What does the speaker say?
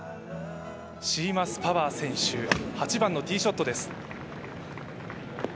シーマス・パワー選手、８番のティーショットです。